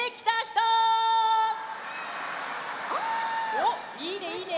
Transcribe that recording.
おっいいねいいね！